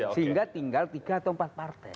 sehingga tinggal tiga atau empat partai